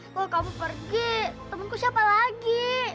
kalau kamu pergi temenku siapa lagi